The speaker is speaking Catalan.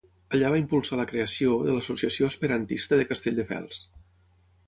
Allà va impulsar la creació de l'Associació Esperantista de Castelldefels.